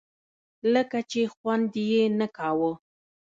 لکه چې خوند یې نه کاوه.